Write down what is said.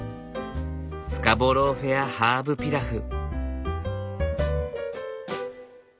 スカボロー・フェアハーブピラフ。